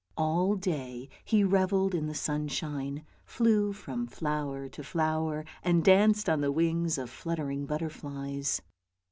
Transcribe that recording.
All day he revelled in the sunshine, flew from flower to flower, and danced on the wings of fluttering butterflies.